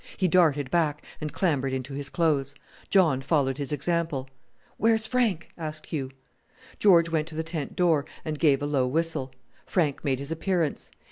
He darted back, and clambered into his clothes. John followed his example. "Where's Frank?" asked Hugh. George went to the tent door, and gave a low whistle. Frank made his appearance.